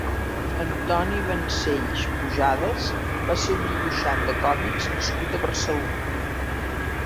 Antoni Bancells Pujadas va ser un dibuixant de còmics nascut a Barcelona.